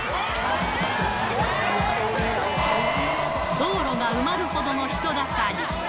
道路が埋まるほどの人だかり。